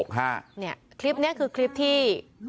เนี่ยคลิปเนี่ยคือคลิปที่